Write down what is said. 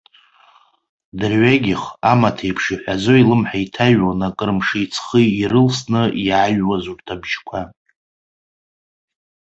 Дырҩегьых амаҭ еиԥш иҳәазо илымҳа инҭалон акыр мши-ҵхи ирылсны иааҩуаз урҭ абжьқәа.